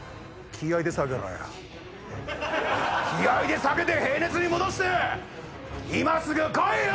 気合で下げて平熱に戻して今すぐ来いよ！